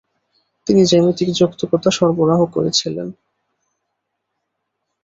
তিনি জ্যামিতিক যৌক্তিকতা সরবরাহ করেছিলেন।